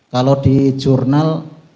kalau di jurnal